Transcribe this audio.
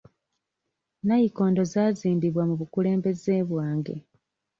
Nnayikondo zaazimbibwa mu bukulembeze bwange.